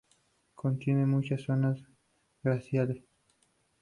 Contiene muchas zonas glaciares.